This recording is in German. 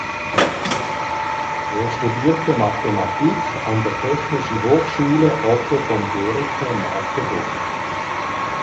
Er studierte Mathematik an der Technischen Hochschule Otto von Guericke Magdeburg.